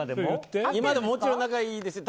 今でももちろん、仲いいですよ。